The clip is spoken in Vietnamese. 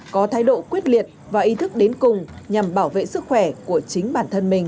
có thái độ quyết liệt và ý thức đến cùng nhằm bảo vệ sức khỏe của chính bản thân mình